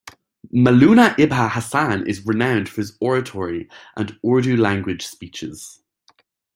Maulana Ibne Hasan is renowned for his oratory and Urdu language speeches.